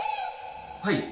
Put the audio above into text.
はい。